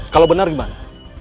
kalo bener gimana